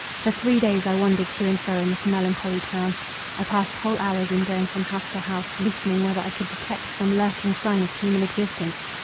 For three days I wandered to and fro in this melancholy town. I passed whole hours in going from house to house, listening whether I could detect some lurking sign of human existence.